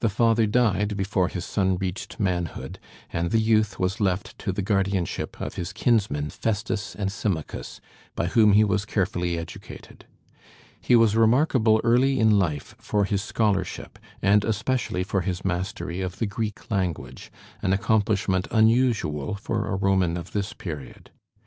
The father died before his son reached manhood; and the youth was left to the guardianship of his kinsmen Festus and Symmachus, by whom he was carefully educated. He was remarkable early in life for his scholarship, and especially for his mastery of the Greek language, an accomplishment unusual for a Roman of this period.